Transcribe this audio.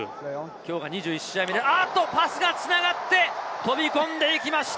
きょうが２１試合目でパスが繋がって飛び込んでいきました！